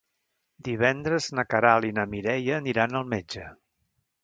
Divendres na Queralt i na Mireia aniran al metge.